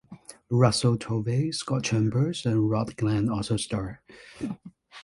Russell Tovey, Scott Chambers and Rod Glenn also star.